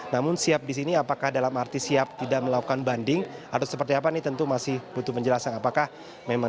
namun siap di sini apakah dalam arti siap tidak melakukan banding atau seperti apa ini tentu masih butuh penjelasan apakah memang